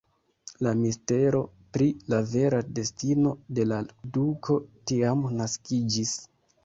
La mistero pri la vera destino de la duko tiam naskiĝis.